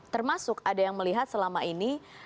termasuk ada yang melihat selama ini